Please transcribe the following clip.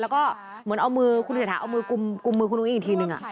แล้วก็เหมือนเอามือคุณเศรษฐาเอามือกุมมือคุณอุ้งอีกทีนึง